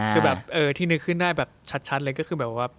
คือแบบที่นึกขึ้นได้แบบชัดเลยก็คือแบบว่า